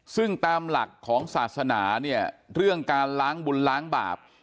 ซึ่งตามหลักของศาสนาเนี่ยเรื่องการล้างบุญล้างบาป